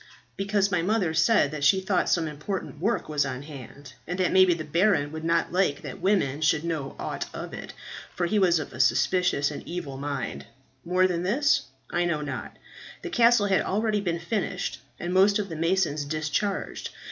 "Because my mother said that she thought some important work was on hand, and that maybe the baron would not like that women should know aught of it, for he was of suspicious and evil mind. More than this I know not. The castle had already been finished, and most of the masons discharged.